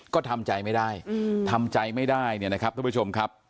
ก็ทำใจไม่ได้ทำใจไม่ได้เนี่ยนะครับทุกผู้ชมครับ